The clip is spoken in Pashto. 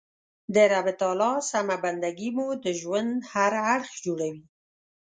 د رب تعالی سمه بنده ګي مو د ژوند هر اړخ جوړوي.